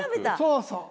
そうそう。